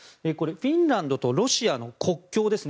フィンランドとロシアの国境です。